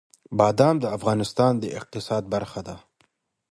بادام د افغانستان د اقتصاد برخه ده.